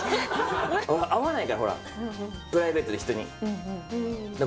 会わないから、プライベートで人に。